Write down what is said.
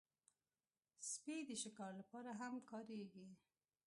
سپي د شکار لپاره هم کارېږي.